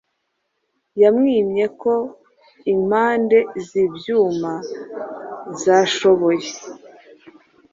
yamwimye ko impande zibyuma zashoboye